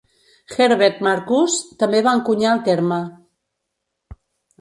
Herbert Marcuse també va encunyar el terme.